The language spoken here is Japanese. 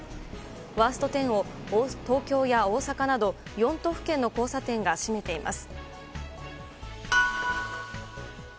ワースト１０を東京や大阪など４都府県の交差点が占めています。